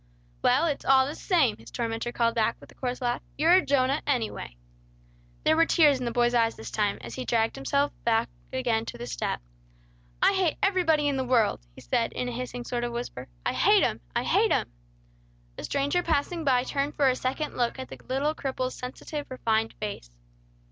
"Well, it is all the same," his tormentor called back, with a coarse laugh. "You're a Jonah, any way." There were tears in the boy's eyes this time, as he dragged himself back again to the step. "I hate everybody in the world!" he said in a hissing sort of whisper. "I hate'm! I hate'm!" A stranger passing by turned for a second look at the little cripple's sensitive, refined face.